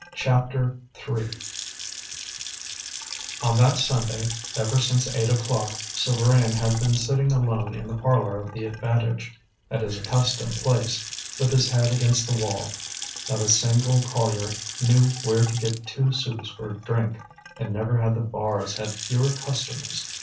CHAPTER III On that Sunday, ever since eight o'clock, Souvarine had been sitting alone in the parlour of the Avantage, at his accustomed place, with his head against the wall. Not a single collier knew where to get two sous for a drink, and never had the bars had fewer customers.